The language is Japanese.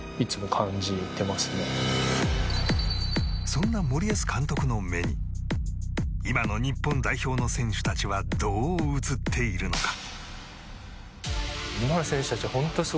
そんな森保監督の目に今の日本代表の選手たちはどう映っているのか。